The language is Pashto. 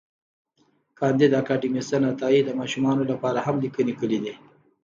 کانديد اکاډميسن عطایي د ماشومانو لپاره هم لیکني کړي دي.